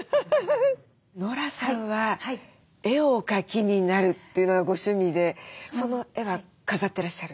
ノラさんは絵をお描きになるというのがご趣味でその絵は飾ってらっしゃる？